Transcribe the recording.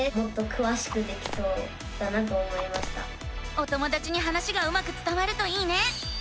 お友だちに話がうまくつたわるといいね！